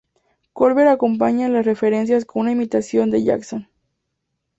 Colbert acompaña las referencias con una imitación de Jackson.